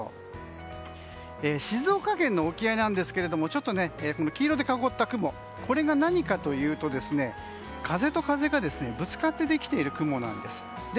静岡県の沖合なんですけれども黄色で囲った雲これが何かというと風と風がぶつかってできている雲なんです。